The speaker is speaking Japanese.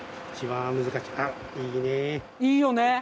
いいよね。